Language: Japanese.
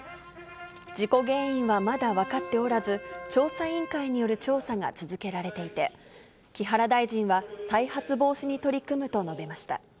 事故原因はまだ分かっておらず、調査委員会による調査が続けられていて、木原大臣は再発防止に取り組むと述べました。